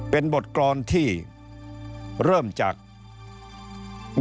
เป็นบทกรรณ์ที่เริ่มจากมีคนสี่เยี่ยม